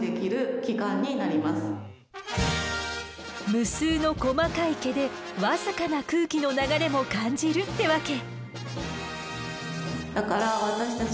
無数の細かい毛で僅かな空気の流れも感じるってわけ。